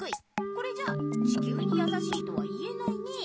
これじゃ地きゅうにやさしいとは言えないね。